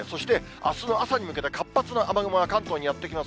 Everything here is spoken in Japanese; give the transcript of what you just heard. あすの朝に向けて、活発な雨雲が関東にやって来ます。